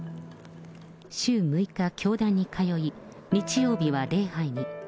週６日、教団に通い、日曜日は礼拝に。